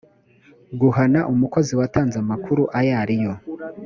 guhana umukozi watanze amakuru ayo ariyo